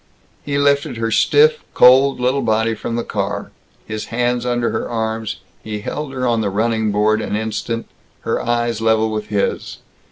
He lifted her stiff, cold little body from the car. His hands under her arms, he held her on the running board an instant, her eyes level with his.